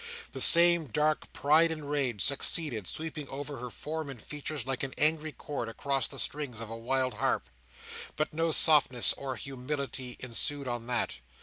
The same dark pride and rage succeeded, sweeping over her form and features like an angry chord across the strings of a wild harp. But no softness or humility ensued on that.